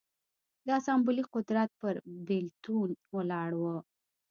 د اسامبلې قدرت پر بېلتون ولاړ و.